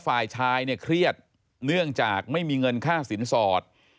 ฝ่ายชายเนี่ยเครียดเนื่องจากไม่มีเงินค่าสินสอด